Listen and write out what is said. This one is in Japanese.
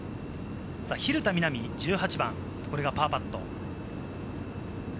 蛭田みな美、１８番、これがパーパット。